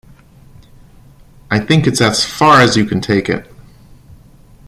I think it's as far as you can take it.